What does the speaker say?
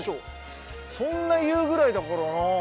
そんな言うぐらいだからな。